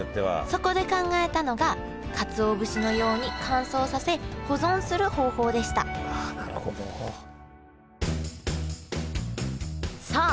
そこで考えたのがかつお節のように乾燥させ保存する方法でしたさあ